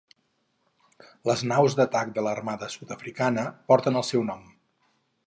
Les naus d'atac de l'armada sud-africana porten el seu nom.